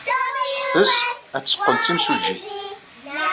Teɣtes ad teqqel d timsujjit.